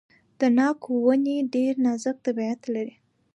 د ناک ونې ډیر نازک طبیعت لري.